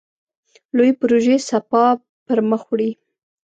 لویې پروژې سپاه پرمخ وړي.